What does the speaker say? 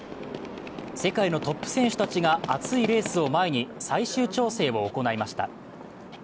世界のトップ選手たちが熱いレースを前に最終調整を行いました。